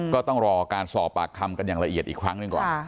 ก็ต้องรอการสอบปากคำกันอย่างละเอียดอีกครั้งหนึ่งก่อน